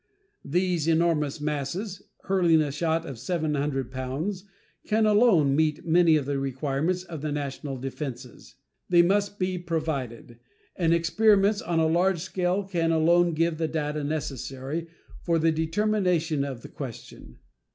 These enormous masses, hurling a shot of 700 pounds, can alone meet many of the requirements of the national defenses. They must be provided, and experiments on a large scale can alone give the data necessary for the determination of the question.